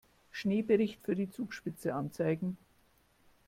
Schneebericht für die Zugspitze anzeigen.